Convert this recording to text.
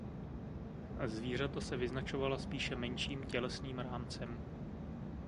Zvířata se vyznačovala spíše menším tělesným rámcem.